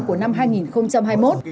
của năm hai nghìn hai mươi một